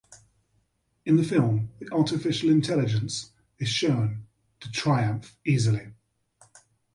In the film the artificial intelligence is shown to triumph easily.